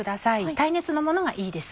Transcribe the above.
耐熱のものがいいです。